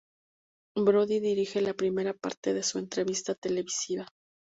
Brody dirige la primera parte de su entrevista televisiva.